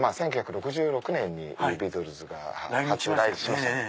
１９６６年にビートルズが初来日しました。